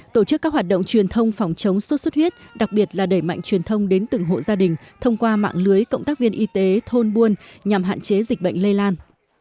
tổ chức các hoạt động truyền thông phòng chống sốt xuất huyết đặc biệt là đẩy mạnh truyền thông đến từng hộ gia đình thông qua mạng lưới cộng tác viên y tế thôn buôn nhằm hạn chế dịch bệnh lây lan